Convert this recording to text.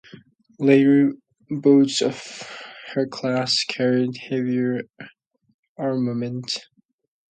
Later boats of her class carried heavier armament.